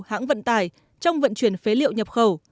hãng vận tải trong vận chuyển phế liệu nhập khẩu